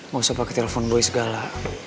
gak usah pake telfon boy segala